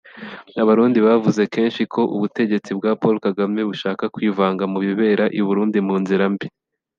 Abarundi bavuze kenshi ko ubutegetsi bwa Paul Kagame bushaka kwivanga mu bibera i Burundi mu nzira mbi